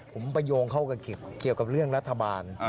ผมไปโยงเข้าเกี่ยวกับเรื่องรัฐบาล